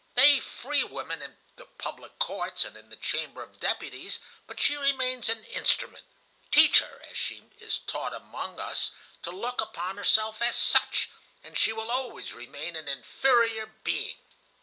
They free woman in the public courts and in the chamber of deputies, but she remains an instrument. Teach her, as she is taught among us, to look upon herself as such, and she will always remain an inferior being.